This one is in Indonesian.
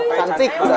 udah cantik udah